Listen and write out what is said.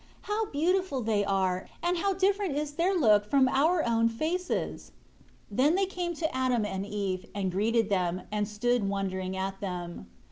How beautiful they are, and how different is their look from our own faces." Then they came to Adam and Eve, and greeted them; and stood wondering at them.